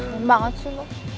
temen banget sih lo